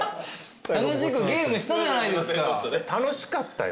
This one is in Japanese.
楽しくゲームしたじゃないですか。楽しかったよ。